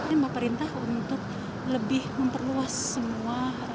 ini mbak perintah untuk lebih memperluas semua